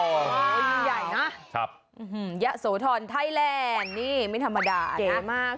โอ้โหยิ่งใหญ่นะยะโสธรไทยแลนด์นี่ไม่ธรรมดาเก๋มาก